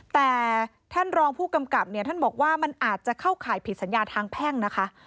แต่ท่านรองผู้กำกับเนี่ยท่านบอกว่ามันอาจจะเข้าข่ายผิดสัญญาทางแพ่งนะคะ